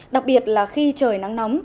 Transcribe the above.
đặc biệt là khi trời nắng nóng